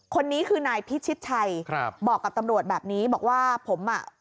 คนนี้คือนายพิชิตชัยครับบอกกับตำรวจแบบนี้บอกว่าผมอ่ะ